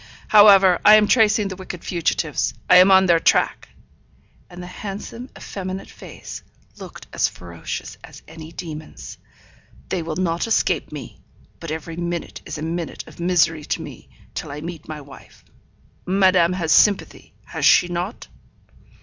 'However, I am tracing the wicked fugitives; I am on their track' (and the handsome, effeminate face looked as ferocious as any demon's). 'They will not escape me; but every minute is a minute of misery to me, till I meet my wife. Madame has sympathy, has she not?'